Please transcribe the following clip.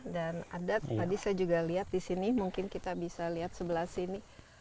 dan ada tadi saya juga lihat di sini mungkin kita bisa lihat sebelah sini